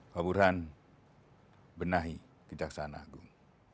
pak burhan benahi kejaksaan agung